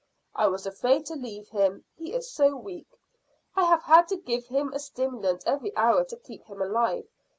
"I was afraid to leave him he is so weak. I have had to give him a stimulant every hour to keep him alive.